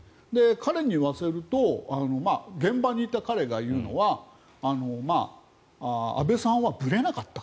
彼に言わせると現場にいた彼が言うのは安倍さんはぶれなかった。